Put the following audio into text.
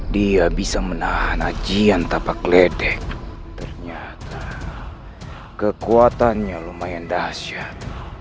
dia bisa menahan ajian tapak ledek ternyata kekuatannya lumayan dahsyat